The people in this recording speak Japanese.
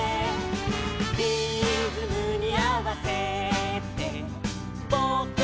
「リズムにあわせてぼくたちも」